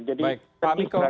jadi itu sekali saya